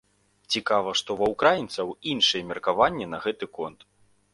Цікава, што ва ўкраінцаў іншыя меркаванні на гэты конт.